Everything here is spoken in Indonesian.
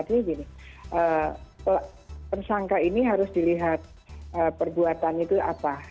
ternyata ini persangka ini harus dilihat perbuatan itu apa